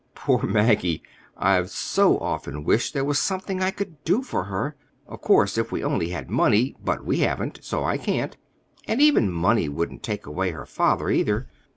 Poor Maggie! I've so often wished there was something I could do for her. Of course, if we only had money—but we haven't; so I can't. And even money wouldn't take away her father, either.